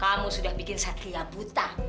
kamu sudah bikin satria buta